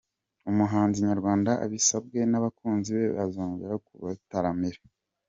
Umuhanzi nyarwanda abisabwe n’abakunzi be azongera kubataramira